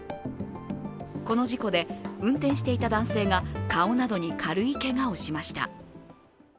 この事故で運転していた男性が顔などに軽いけがをしました。